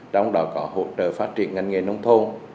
trong đó có hỗ trợ phát triển ngành nghề nông thôn